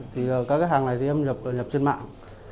thì các cái hàng này thì em nhập trên mạng